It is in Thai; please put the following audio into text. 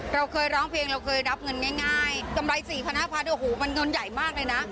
เราเคยร้องเพลงเราเคยรับเงินง่ายกำไร๔๕๐๐โอ้โหมันเงินใหญ่มากเลยนะ